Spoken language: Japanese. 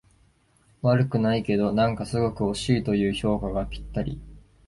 悪くないけど、なんかすごく惜しいという評価がぴったり